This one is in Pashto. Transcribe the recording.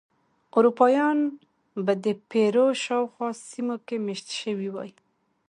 اروپایان به د پیرو شاوخوا سیمو کې مېشت شوي وای.